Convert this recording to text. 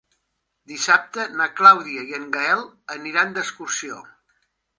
Dissabte na Clàudia i en Gaël aniran d'excursió.